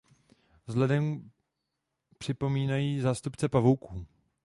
Vzhledem připomínají zástupce pavouků.